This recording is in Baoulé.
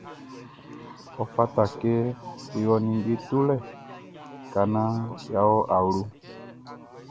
Ɔ fata kɛ e wɔ ninnge tolɛ ka naan yʼa wɔ awlo.